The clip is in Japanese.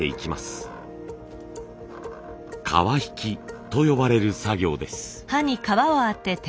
皮引きと呼ばれる作業です。